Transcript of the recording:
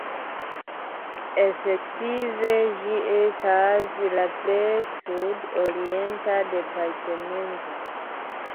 Efektive ĝi estas la plej sud-orienta departemento.